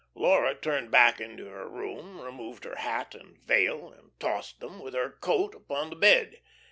Laura turned back into her room, removed her hat and veil, and tossed them, with her coat, upon the bed.